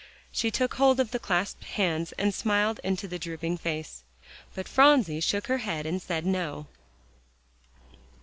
She took hold of the clasped hands, and smiled up into the drooping face. But Phronsie shook her head and said "No."